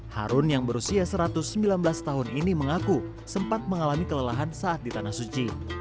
harun yang berusia satu ratus sembilan belas tahun ini mengaku sempat mengalami kelelahan saat di tanah suci